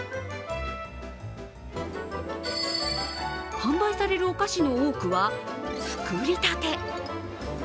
販売されるお菓子の多くは作りたて。